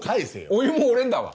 お湯も俺んだわ！